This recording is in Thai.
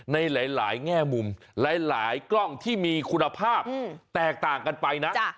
ในหลายแง่มุมหลายกล้องที่มีคุณภาพแตกต่างกันไปนะ